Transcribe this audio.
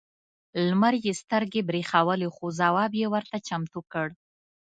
لمر یې سترګې برېښولې خو ځواب یې ورته چمتو کړ.